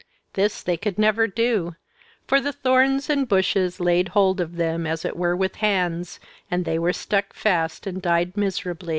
This they could never do; for the thorns and bushes laid hold of them as it were with hands, and there they stuck fast and died miserably.